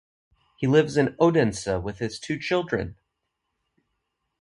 He lives in Odense with his two children.